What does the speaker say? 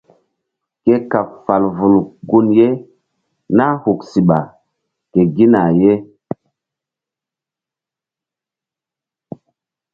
Ke kaɓ fal vul gun ye nah huk siɓa ke gina ye.